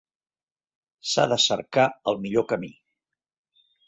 S'ha de cercar el millor camí.